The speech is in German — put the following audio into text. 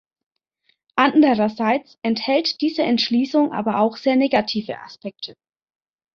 Andererseits enthält diese Entschließung aber auch sehr negative Aspekte.